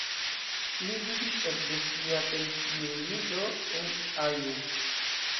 Li vivis ekde sia pensiuliĝo en Aiud.